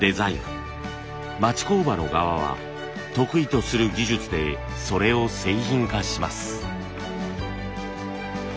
町工場の側は得意とする技術でそれを製品化します。